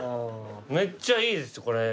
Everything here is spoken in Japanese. めっちゃいいですこれ。